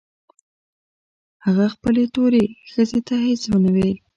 هغه خپلې تورې ښځې ته هېڅ نه ويل.